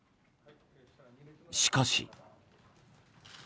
しかし。